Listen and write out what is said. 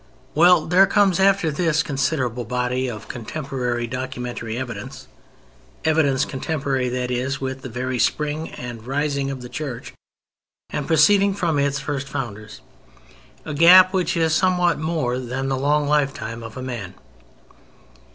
Well, there comes after this considerable body of contemporary documentary evidence (evidence contemporary, that is, with the very spring and rising of the Church and proceeding from its first founders), a gap which is somewhat more than the long lifetime of a man.